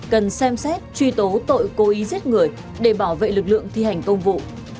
cần xem xét truy tố tội cố ý giết người để bảo vệ lực lượng thi hành công vụ